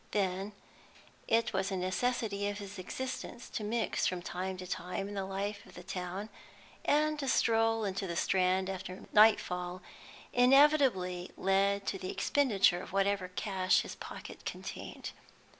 Then, it was a necessity of his existence to mix from time to time in the life of the town, and a stroll into the Strand after nightfall inevitably led to the expenditure of whatever cash his pocket contained.